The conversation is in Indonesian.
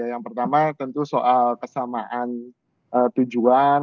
yang pertama tentu soal kesamaan tujuan